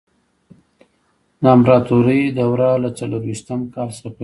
د امپراتورۍ دوره له څلور ویشتم کال څخه پیل شوه.